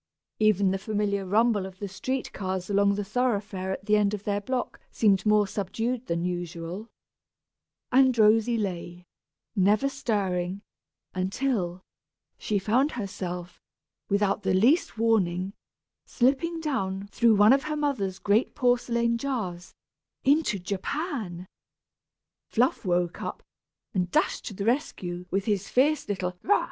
Even the familiar rumble of the street cars along the thoroughfare at the end of their block seemed more subdued than usual; and Rosy lay, never stirring, until she found herself, without the least warning, slipping down through one of her mother's great porcelain jars, into Japan! Fluff woke up, and dashed to the rescue, with his fierce little "Rah!"